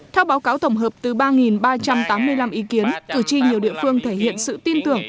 theo báo cáo tổng hợp từ ba ba trăm tám mươi năm ý kiến cử tri nhiều địa phương thể hiện sự tin tưởng